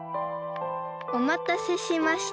おまたせしました。